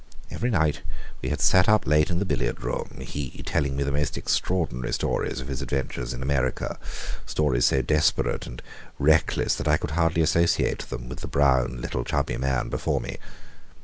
Every night we had sat up late in the billiard room, he telling me the most extraordinary stories of his adventures in America stories so desperate and reckless, that I could hardly associate them with the brown little, chubby man before me.